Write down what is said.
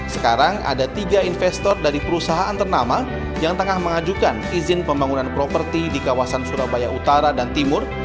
sekarang ada tiga investor dari perusahaan ternama yang tengah mengajukan izin pembangunan properti di kawasan surabaya utara dan timur